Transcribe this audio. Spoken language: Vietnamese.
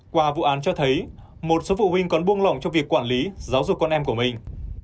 qua vụ án cho thấy một số phụ huynh còn buông lỏng trong việc quản lý giáo dục con em của mình